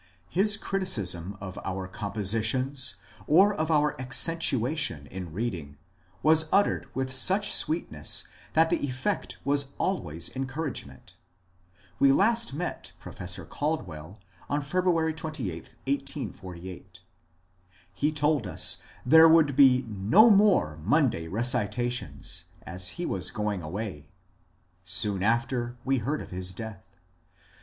His criticism of our compositions, or of our accen tuation in reading, was uttered with such sweetness that the effect was always encouragement. We last met Professor Caldwell on February 28, 1848. He told us there would be ^* no more Monday morning recitations, as he was going away." Soon after we heard of his death.